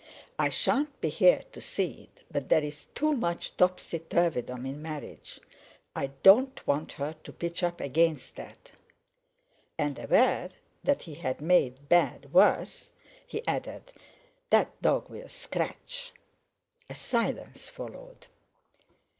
I shan't be here to see it, but there's too much topsy turvydom in marriage; I don't want her to pitch up against that." And, aware that he had made bad worse, he added: "That dog will scratch." A silence followed.